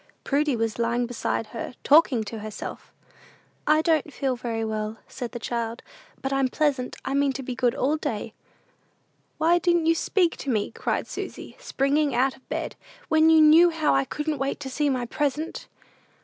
Prudy was lying beside her, talking to herself. "I don't feel very well," said the child; "but I'm pleasant; I mean to be good all day." "Why didn't you speak to me?" cried Susy, springing out of bed, "when you knew how I couldn't wait to see my present?"